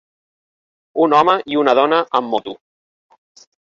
Un home i una dona amb moto.